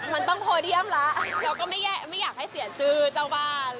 มันต้องโพเดียมแล้วเราก็ไม่อยากให้เสียชื่อเจ้าบ้าน